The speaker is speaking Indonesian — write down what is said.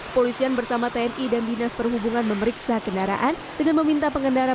polisian bersama tni dan dinas perhubungan memeriksa kendaraan dengan meminta pengendara